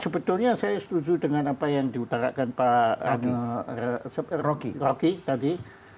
sebetulnya saya setuju dengan apa yang diutarakan pak rocky tadi